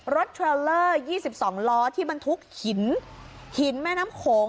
เทรลเลอร์๒๒ล้อที่บรรทุกหินหินแม่น้ำโขง